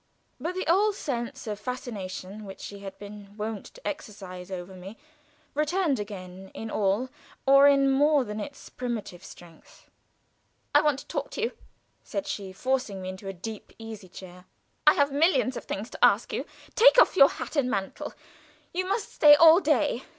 But the old sense of fascination which she had been wont to exercise over me returned again in all or in more than its primitive strength. "I want to talk to you," said she, forcing me into a deep easy chair. "I have millions of things to ask you. Take off your hat and mantle. You must stay all day.